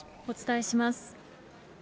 お伝えします。